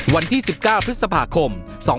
วันที่๑๙พฤษภาคม๒๕๖๒